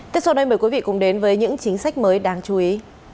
tiếp sau đây mời quý vị cùng đến với những chính sách mới đáng chú ý